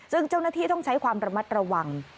ซึ่งเจ้าหน้าที่ต้องใช้ความระมัดระวัง